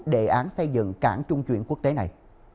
đề án xây dựng cảng trung chuyển quốc tế này